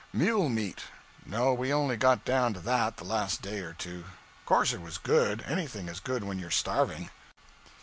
'Mule meat. No, we only got down to that the last day or two. Of course it was good; anything is good when you are starving.